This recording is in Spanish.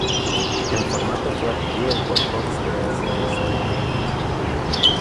El formato fue adquirido por "Fox Television Studios".